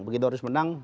begitu harus menang